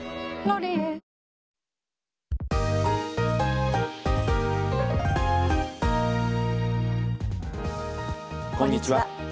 こんにちは。